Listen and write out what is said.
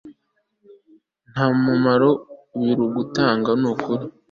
ntanumaro birigutanga nukuri